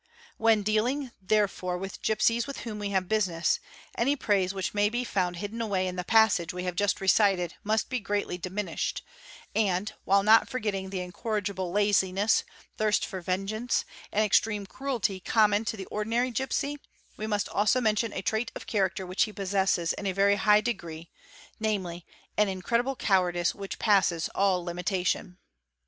When dealing there | fore with gipsies with whom we have business, any praise which may be | found hidden away in the passage we have just recited must be greatly diminished ; and, while not forgetting the incorrigible laziness, thirst for | vengeance, and extreme cruelty common to the ordinary gipsy, we musi also mention a trait of character which he possesses in a very high degree namely, an incredible cowardice which passes all limitation.